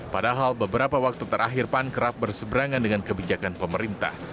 padahal beberapa waktu terakhir pan kerap berseberangan dengan kebijakan pemerintah